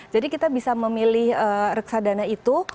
jadi kita bisa memilih reksadana itu